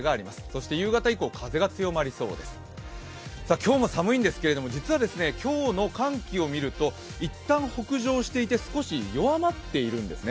今日も寒いんですけれども今日の寒気を見ると一旦、北上していて少し弱まっているんですね。